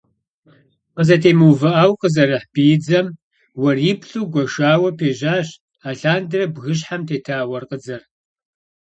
Къызэтемыувыӏэу къызэрыхь биидзэм уэриплӏу гуэшауэ пежьащ алъандэрэ бгыщхьэм тета уэркъыдзэр.